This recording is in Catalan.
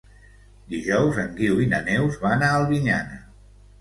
Dijous en Guiu i na Neus van a Albinyana.